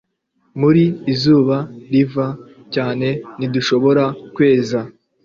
Muri izuba riva cyane ntidushobora kweza